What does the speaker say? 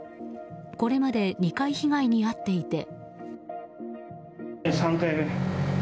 これまで２回被害に遭っていて。